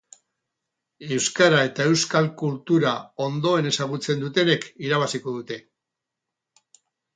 Euskara eta euskal kultura ondoen ezagutzen dutenek irabaziko dute.